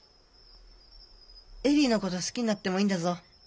恵里のこと好きになってもいいんだぞ。